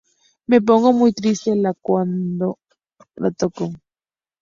Me pongo muy triste la cuando toco.